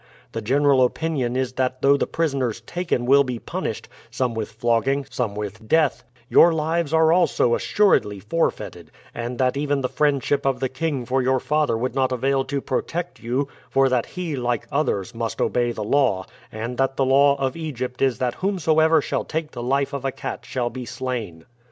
The general opinion is that though the prisoners taken will be punished some with flogging, some with death your lives are also assuredly forfeited, and that even the friendship of the king for your father would not avail to protect you, for that he, like others, must obey the law, and that the law of Egypt is that whomsoever shall take the life of a cat shall be slain."